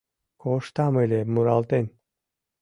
Коштам ыле муралтен.